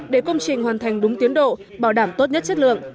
để công trình hoàn thành đúng tiến độ bảo đảm tốt nhất chất lượng